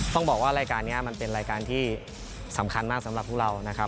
ต้องบอกว่ารายการนี้มันเป็นรายการที่สำคัญมากสำหรับพวกเรานะครับ